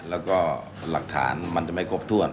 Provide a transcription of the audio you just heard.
แล้วก็หลักฐานมันจะไม่ครบถ้วน